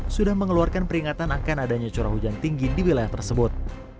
sudah mengeluarkan peringatan akan adanya curah hujan tinggi di wilayah tersebut